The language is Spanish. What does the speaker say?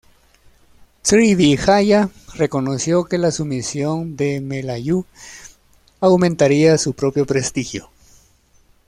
Srivijaya reconoció que la sumisión de Melayu aumentaría su propio prestigio.